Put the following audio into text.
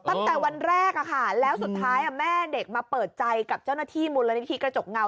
ตั้งแต่วันแรกแล้วสุดท้ายแม่เด็กมาเปิดใจกับเจ้าหน้าที่มูลนิธิกระจกเงา